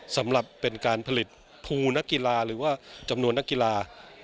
สำหรับเป็นการผลิตภูนักกีฬาหรือว่าจำนวนนักกีฬา